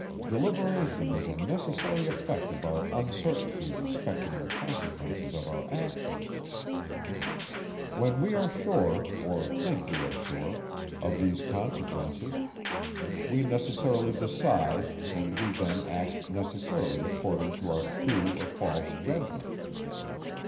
Deliberation is a necessary effect of our uncertainty respecting the consequences of our actions. When we are sure, or think we are sure, of these consequences, we necessarily decide, and we then act necessarily according to our true or false judgment.